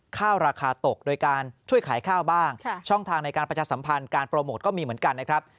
ข้าวราคาตกโดยการช่วยขายข้าวบ้างช่องทางในการประชาสัมพันธ์การโปรโมทก็มีเหมือนกันนะครับ